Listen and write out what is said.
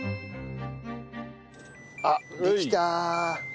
あっできた！